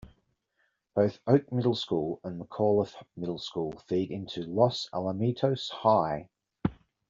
Both Oak Middle School and McAuliffe Middle School feed into Los Alamitos High.